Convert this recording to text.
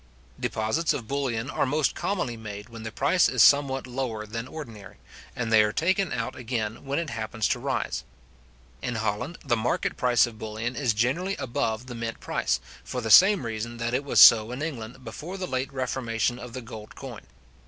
Deposits of bullion are most commonly made when the price is somewhat lower than ordinary, and they are taken out again when it happens to rise. In Holland the market price of bullion is generally above the mint price, for the same reason that it was so in England before the late reformation of the gold coin.